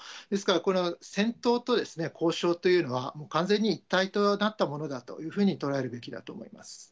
ですから、この戦闘と交渉というのは、完全に一体となったものだというふうに捉えるべきだと思います。